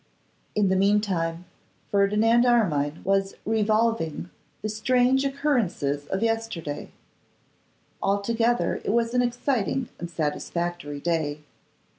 In the mean time, Ferdinand Armine was revolving the strange occurrences of yesterday. Altogether it was an exciting and satisfactory day.